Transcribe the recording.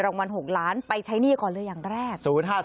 วัน๖ล้านไปใช้หนี้ก่อนเลยอย่างแรก